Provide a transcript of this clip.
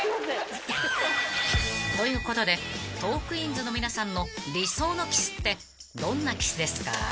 ［ということでトークィーンズの皆さんの理想のキスってどんなキスですか？］